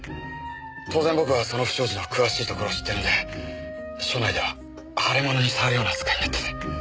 当然僕はその不祥事の詳しいところを知ってるんで署内では腫れ物に触るような扱いになってて。